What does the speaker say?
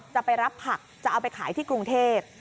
จะไปรับผักจะเอาไปขายที่กรุงเทพ